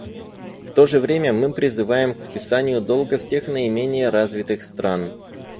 В то же время мы призываем к списанию долга всех наименее развитых стран.